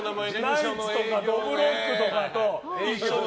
ナイツとかどぶろっくとかと一緒で。